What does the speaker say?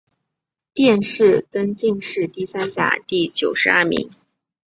殿试登进士第三甲第九十二名。